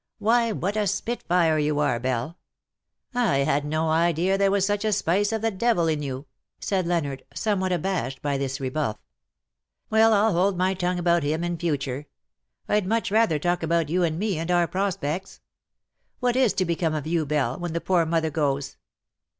Why^ what a spitfire you are^ Belle. I had no idea there was such a spice of the devil in you/^ said Leonard, somewhat abashed by this rebuff. " Well I''ll hold my tongue about him in future. Vd much rather talk about you and me, and our prospects. What is to become of you_, Belle, when the poor mother goes